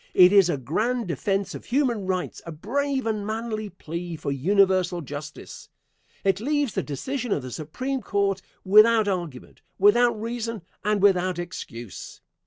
It is a grand defence of human rights a brave and manly plea for universal justice. It leaves the decision of the Supreme Court without argument, without reason, and without excuse.